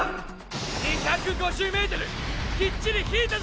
２５０ｍきっちり引いたぞ！